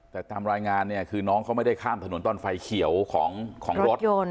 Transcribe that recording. แต่ตามรายงานเนี่ยคือน้องเขาไม่ได้ข้ามถนนตอนไฟเขียวของรถยนต์